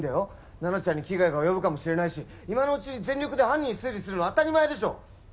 菜奈ちゃんに危害が及ぶかもしれないし、今のうちに全力で犯人を推理するのは当たり前でしょ！